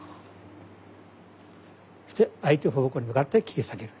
そして相手方向に向かって斬り下げる。